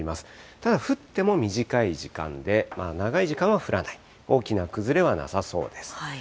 ただ降っても短い時間で、長い時間は降らない、大きな崩れはなさそうです。